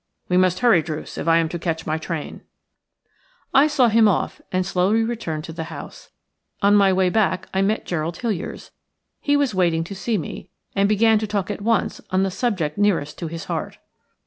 We must hurry, Druce, if I am to catch my train." I saw him off and returned slowly to the house. On my way back I met Gerald Hiliers. He was waiting to see me, and began to talk at once on the subject nearest his heart.